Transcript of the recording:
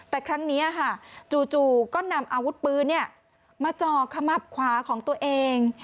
แต่ครั้งนี้ค่ะจู่ก็นำอาวุธปืนมาจ่อขมับขวาของตัวเอง